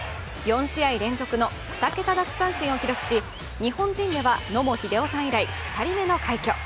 ４試合連続の２桁奪三振を記録し日本人では野茂英雄さん以来２人目の快挙。